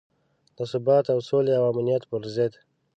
د ثبات او سولې او امنیت پر ضد.